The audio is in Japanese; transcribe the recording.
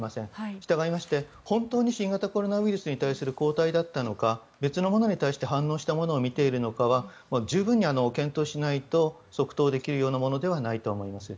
従いまして本当に新型コロナに対する抗体だったのか別のものに対して反応したものを見ているのかは十分に検討しないと即答できるようなものではないと思います。